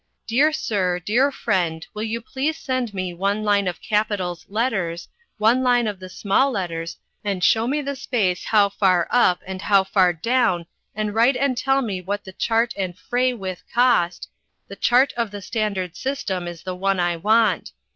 Dear Sir Dear Friend you will please Send me one line of capitals letters one line of the small letters and Show me the space how far up and how far down and write & tell me what the chart and frey with cost, the chart of the Standard System is the one I want.